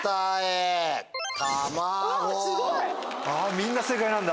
みんな正解なんだ！